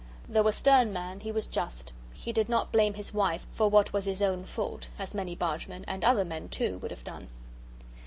Though a stern man he was just. He did not blame his wife for what was his own fault, as many bargemen, and other men, too, would have done.